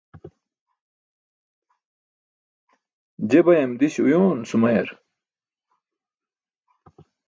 Je bayam di̇ś uyoon sumayar.